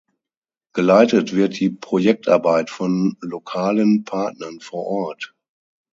Geleitet wird die Projektarbeit von lokalen Partnern vor Ort.